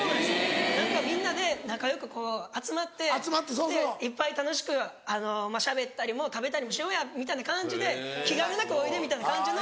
何かみんなで仲良くこう集まっていっぱい楽しくしゃべったりも食べたりもしようやみたいな感じで気兼ねなくおいでみたいな感じの。